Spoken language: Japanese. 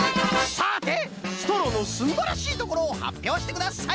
さてストローのすんばらしいところをはっぴょうしてください！